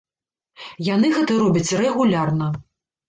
Яны гэта робяць рэгулярна.